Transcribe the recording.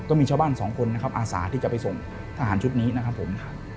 ก็มีชาวบ้านสองคนนะครับอาสาที่จะไปส่งทหารชุดนี้นะครับผม